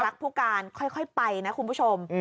รักผู้การค่อยไปนะคุณผู้ชม